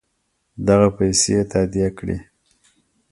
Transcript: دغه پیسې تادیه کړي.